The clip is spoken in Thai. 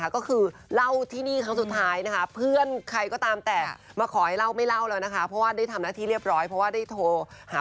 คือกลัวคนด่าเหมือนกันทุกผู้ชม